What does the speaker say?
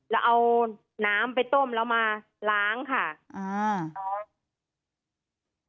แล้วเอาน้ำไปต้มแล้วมาล้างค่ะอ่า